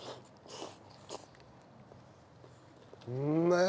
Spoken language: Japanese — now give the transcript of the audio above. うめえ！